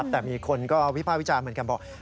แต่มีคนก็วิภาควิจารณ์เหมือนกันบอก